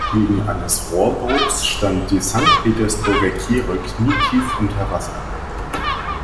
Wegen eines Rohrbruchs stand die Sankt-Petersburger Kehre knietief unter Wasser.